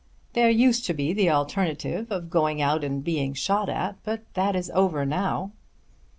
There used to be the alternative of going out and being shot at; but that is over now."